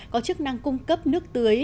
có chức năng cung cấp nước tưới